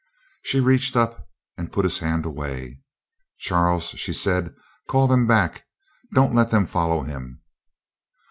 She reached up and put his hand away. "Charles," she said, "call them back. Don't let them follow him!"